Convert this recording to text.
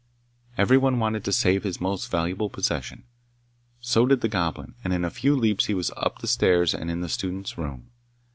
Everyone wanted to save his most valuable possession; so did the Goblin, and in a few leaps he was up the stairs and in the student's room.